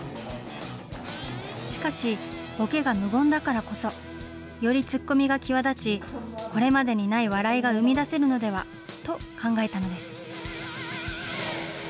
しかし、ボケが無言だからこそ、よりツッコミが際立ち、これまでにない笑いが生み出せるのではと考えたのです。